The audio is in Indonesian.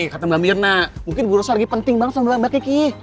kata mbak mirna mungkin guru saya lagi penting banget sama mbak kiki